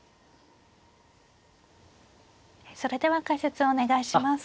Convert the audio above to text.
それでは解説をお願いします。